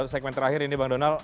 segmen terakhir ini bang donal